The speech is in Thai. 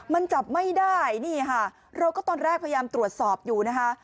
มันจับไม่ได้นี่ค่ะเราก็ตอนแรกพยายามตรวจสอบอยู่นะคะ